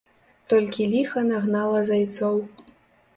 Толькі ліха нагнала зайцоў.